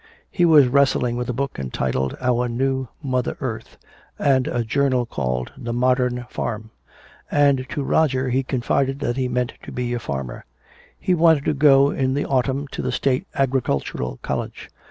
He was wrestling with a book entitled "Our New Mother Earth" and a journal called "The Modern Farm." And to Roger he confided that he meant to be a farmer. He wanted to go in the autumn to the State Agricultural College.